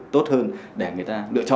tốt hơn để người ta lựa chọn